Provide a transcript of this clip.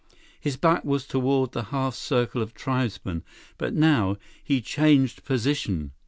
His back was toward the half circle of tribesmen, but now, he changed position.